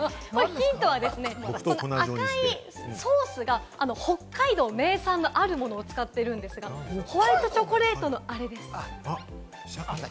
ヒントは赤いソースが北海道名産のあるものを使っているんですが、ホワイトチョコレートのあれです。